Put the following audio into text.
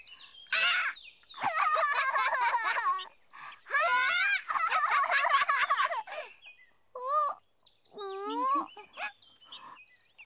あっ！